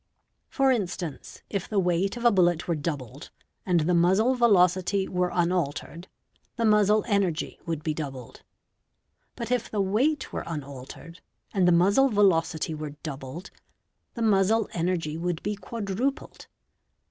Jor instance, if the weight of a bullet were doubled, and the muzzle velocity were unaltered, the muzzle energy would be doubled; but, if the weight were unaltered and the muzzle velocity were doubled, the muzzle energy would be quadrupled.